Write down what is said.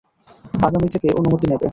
আগামী থেকে, অনুমতি নেবে!